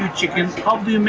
bagaimana anda membuatnya